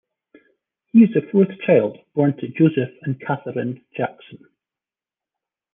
He is the fourth child born to Joseph and Katherine Jackson.